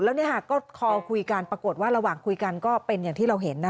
แล้วก็คอคุยกันปรากฏว่าระหว่างคุยกันก็เป็นอย่างที่เราเห็น